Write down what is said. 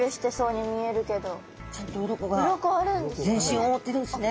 全身を覆ってるんですね。